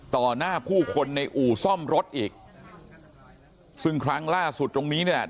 หน้าผู้คนในอู่ซ่อมรถอีกซึ่งครั้งล่าสุดตรงนี้เนี่ย